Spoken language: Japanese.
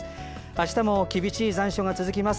あしたも厳しい残暑が続きます。